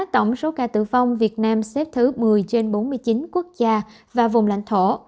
tổng số ca tử vong việt nam xếp thứ một mươi trên bốn mươi chín quốc gia và vùng lãnh thổ